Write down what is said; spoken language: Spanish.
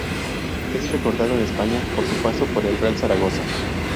Es recordado en España por su paso por el Real Zaragoza.